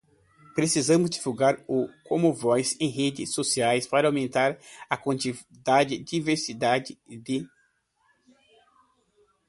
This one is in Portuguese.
Precisamos divulgar o commonvoice em redes sociais para aumentar a quantidade, diversidade de vozes